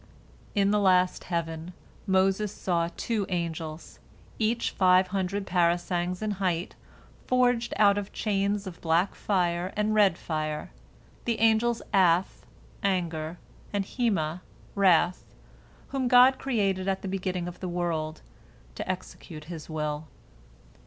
In the last heaven Moses saw two angels, each five hundred parasangs in height, forged out of chains of black fire and red fire, the angels Af, "Anger," and Hemah, "Wrath," whom God created at the beginning of the world, to execute His will.